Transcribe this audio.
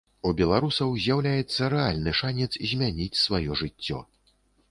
У беларусаў з'яўляецца рэальны шанец змяніць сваё жыццё.